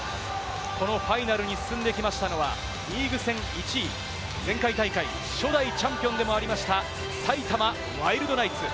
このファイナルに進んできましたのは、リーグ戦１位、前回大会、初代チャンピオンでもありました、埼玉ワイルドナイツ。